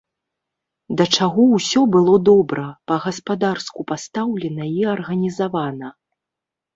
Да чаго ўсё было добра, па-гаспадарску пастаўлена і арганізавана!